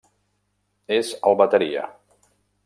És el bateria.